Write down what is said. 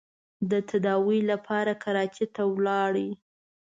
د تداوۍ لپاره کراچۍ ته ولاړ.